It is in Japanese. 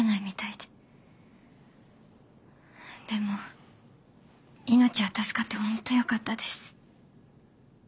でも命は助かって本当よかったです。